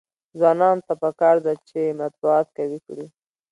ځوانانو ته پکار ده چې، مطبوعات قوي کړي.